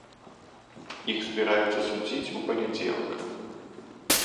Іх збіраюцца судзіць у панядзелак.